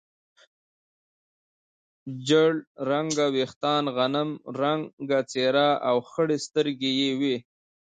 ژړ رنګه وریښتان، غنم رنګه څېره او خړې سترګې یې وې.